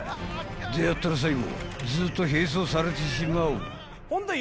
［出合ったら最後ずっと並走されてしまう］